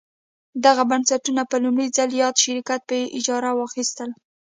دغه بنسټونه په لومړي ځل یاد شرکت په اجاره واخیستل.